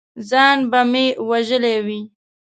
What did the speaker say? ځان به مې وژلی وي!